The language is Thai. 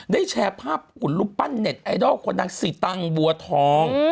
แชร์ภาพขุนรูปปั้นเน็ตไอดอลคนนางสิตังบัวทอง